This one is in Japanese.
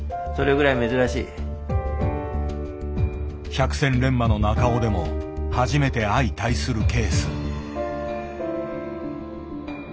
百戦錬磨の中尾でも初めて相対するケース。